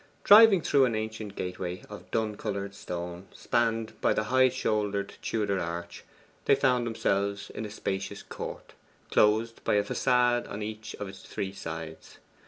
Driving through an ancient gate way of dun coloured stone, spanned by the high shouldered Tudor arch, they found themselves in a spacious court, closed by a facade on each of its three sides.